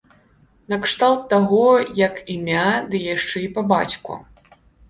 Накшталт таго, як імя, ды яшчэ і па бацьку.